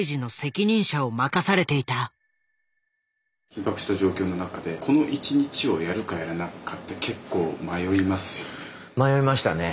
緊迫した状況の中でこの一日をやるかやらないかって結構迷いますよね。